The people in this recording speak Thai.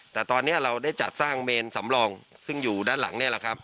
แต่ตอนนี้เราได้จัดสร้างเมนสำรองซึ่งอยู่ด้านหลังนี่แหละครับ